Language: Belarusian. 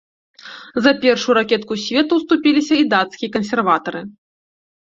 За першую ракетку свету ўступіліся і дацкія кансерватары.